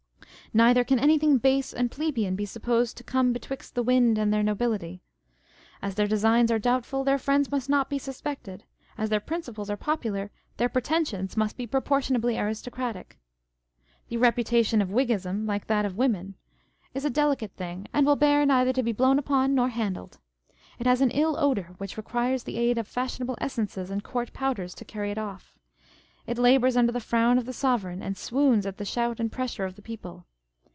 Neither can anything base and plebeian be supposed to " come betwixt the wind and their nobility." As their designs are doubtful, their friends must not be suspected : as their principles are popular, their pre tensions must be proportionably aristocratic. The repu tation of Whiggism, like that of women, is a delicate 532 On the Jealousy and the Spleen of Party. thing, and will bear neither to be blown upon nor handled. It has an ill odour, which requires the aid of fashionable essences and court powders to carry it off. It labours under the frown of the Sovereign : and swoons at the shout and pressure of the People.